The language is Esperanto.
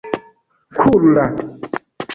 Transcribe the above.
Kulla!